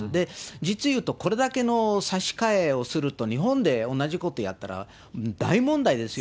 実を言うと、これだけの差し替えをすると、日本で同じことをやったら、もう大問題ですよ。